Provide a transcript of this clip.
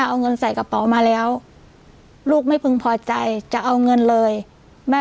เอาเงินใส่กระเป๋ามาแล้วลูกไม่พึงพอใจจะเอาเงินเลยแม่